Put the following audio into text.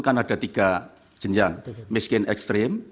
kan ada tiga jenjang miskin ekstrim